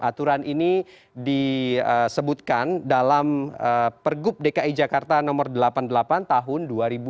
aturan ini disebutkan dalam pergub dki jakarta nomor delapan puluh delapan tahun dua ribu dua puluh